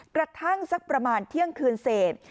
กระทั่งสักประมาณเที่ยงคืนเศษ